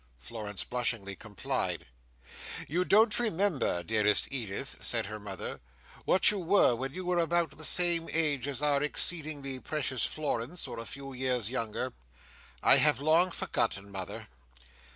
Florence blushingly complied. "You don't remember, dearest Edith," said her mother, "what you were when you were about the same age as our exceedingly precious Florence, or a few years younger?" "I have long forgotten, mother."